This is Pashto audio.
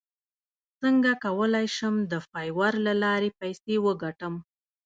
څنګه کولی شم د فایور له لارې پیسې وګټم